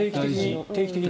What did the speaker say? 定期的に。